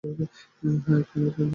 হ্যাঁ, এক মিনিটের জন্য।